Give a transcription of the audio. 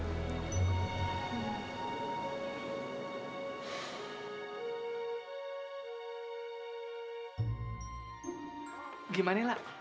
bapak ada di mana lagi